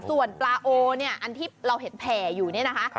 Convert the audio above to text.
ส่วนปลาโอเนี่ยอันที่เราเห็นแผ่อยู่เนี่ยนะคะ